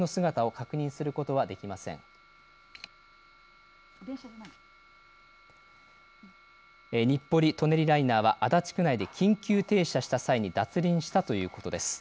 警視庁によりますと日暮里舎人ライナーは足立区内で緊急停車した際に脱輪したということです。